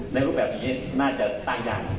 ในรูปแบบนี้น่าจะตามอย่าง